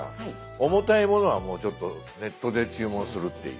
重たいものはもうちょっとネットで注文するっていう。